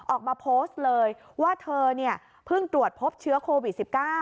ออกมาโพสต์เลยว่าเธอเพิ่งตรวจพบเชื้อโควิด๑๙